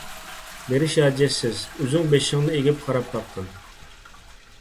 بېرىش ھاجەتسىز، ئۆزۈڭ بېشىڭنى ئېگىپ قاراپ باققىن!